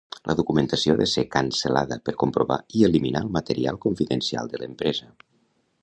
La documentació ha de ser "cancel·lada" per comprovar i eliminar el material confidencial de l'empresa.